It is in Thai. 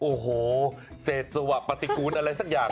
โอ้โหเสร็จสวัสดิ์ประติกูลอะไรสักอย่าง